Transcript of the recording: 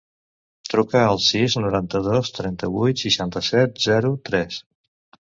Truca al sis, noranta-dos, trenta-vuit, seixanta-set, zero, tres.